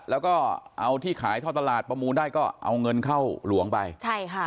แล้วก็เอาที่ขายท่อตลาดประมูลได้ก็เอาเงินเข้าหลวงไปใช่ค่ะ